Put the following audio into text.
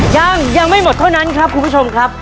ยังยังไม่หมดเท่านั้นครับคุณผู้ชมครับ